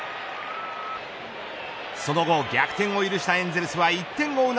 その後逆転を許したエンゼルスは１点を追う